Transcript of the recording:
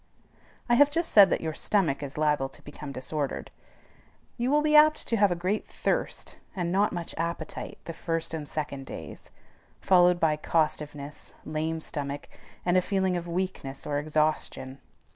I have just said that your stomach is liable to become disordered. You will be apt to have a great thirst and not much appetite the first and second days, followed by costiveness, lame stomach, and a feeling of weakness or exhaustion.